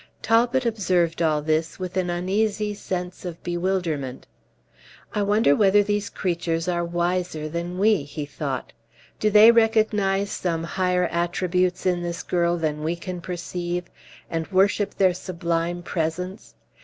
Talbot observed all this with an uneasy sense of bewilderment. "I wonder whether these creatures are wiser than we?" he thought; "do they recognize some higher attributes in this girl than we can perceive, and worship their sublime presence?